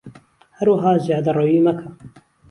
هەروەها زیادەڕەویی مەکە